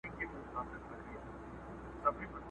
نور دي خواته نه را ګوري چي قلم قلم یې کړمه٫